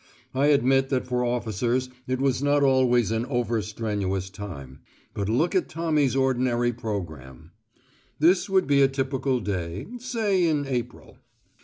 I admit that for officers it was not always an over strenuous time; but look at Tommy's ordinary programme: This would be a typical day, say, in April.